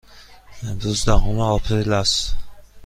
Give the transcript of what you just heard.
امروز دهم آپریل است.